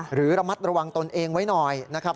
หรือระมัดระวังตนเองไว้หน่อยนะครับ